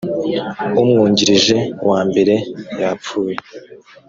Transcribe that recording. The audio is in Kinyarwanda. umwungirije wa mbere yapfuye